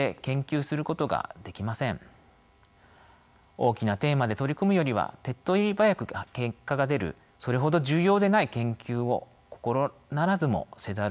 大きなテーマで取り組むよりは手っ取り早く結果が出るそれほど重要でない研究を心ならずもせざるをえなくなるのです。